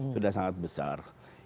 sudah sangat berjaya